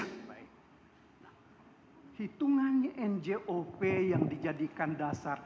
nah hitungannya njop yang dijadikan dasar